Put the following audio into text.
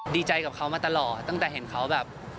ดีใจกับเขามาตลอดตั้งแต่เห็นเขาแบบ